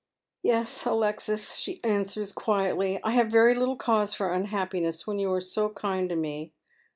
" Yes, Alexis," she answers, quietly, " I have very little cause for unhapi>iness when you are so kind to me.